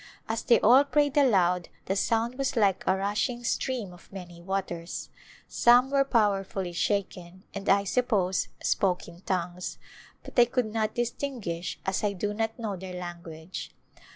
As they all prayed aloud the sound was like a rushing stream of many waters. Some were powerfully shaken and, I suppose, spoke in tongues, but I could not distinguish as I do not know their language.